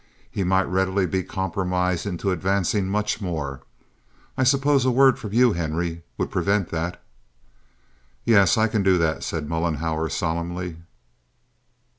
He might readily be compromised into advancing much more. I suppose a word from you, Henry, would prevent that." "Yes; I can do that," said Mollenhauer, solemnly.